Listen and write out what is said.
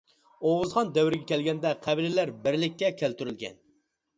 ئوغۇزخان دەۋرىگە كەلگەندە قەبىلىلەر بىرلىككە كەلتۈرۈلگەن.